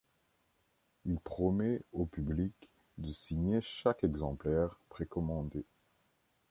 Il promet au public de signer chaque exemplaire précommandé.